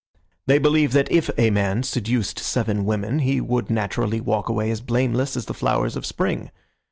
They believe that if a man seduced seven women he would naturally walk away as blameless as the flowers of spring.